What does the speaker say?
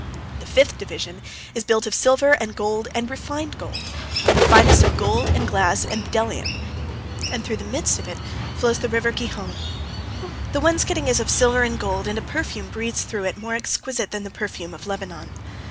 The fifth division is built of silver and gold and refined gold, and the finest of gold and glass and bdellium, and through the midst of it flows the river Gihon. The wainscoting is of silver and gold, and a perfume breathes through it more exquisite than the perfume of Lebanon.